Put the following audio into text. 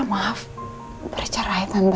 maaf bercerai tante